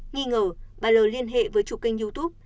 nghi ngờ bà l liên hệ với chủ kênh youtube